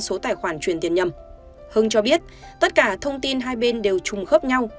số tài khoản truyền tiền nhầm hưng cho biết tất cả thông tin hai bên đều trùng khớp nhau